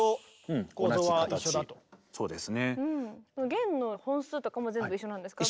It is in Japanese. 弦の本数とかも全部一緒なんですか？